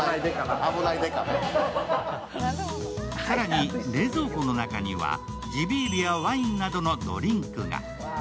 更に、冷蔵庫の中には地ビールやワインなどのドリンクが。